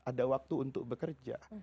ada waktu untuk bekerja